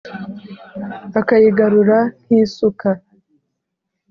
akayigarura nk'isuka